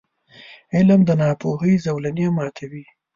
• علم، د ناپوهۍ زولنې ماتوي.